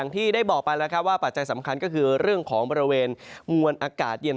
ที่ได้บอกไปแล้วครับว่าปัจจัยสำคัญก็คือเรื่องของบริเวณมวลอากาศเย็น